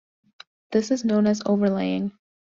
This is known as overlaying.